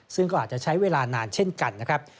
ซึ่งก็อาจจะใช้เวลานานเช่นกันนะครับ